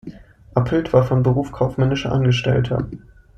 Appelt war von Beruf kaufmännischer Angestellter.